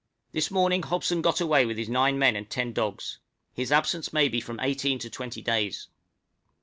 This morning Hobson got away with his nine men and ten dogs; his absence may be from eighteen to twenty days.